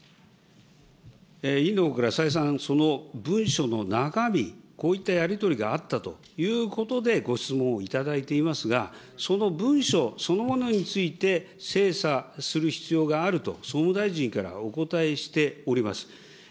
委員のほうから再三、その文書の中身、こういったやり取りがあったということで、ご質問を頂いていますが、その文書そのものについて、精査する必要があると総務大臣からお答えしております。